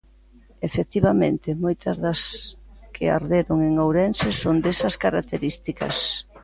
Efectivamente, moitas das que arderon en Ourense son desas características.